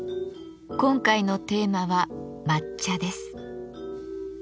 今回のテーマは「抹茶」です。